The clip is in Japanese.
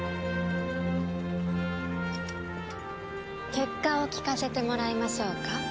結果を聞かせてもらいましょうか。